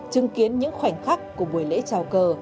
chứng kiến những khoảnh khắc của buổi lễ trào cờ